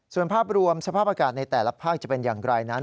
ส่วนภาพรวมสภาพอากาศในแต่ละภาคจะเป็นอย่างไรนั้น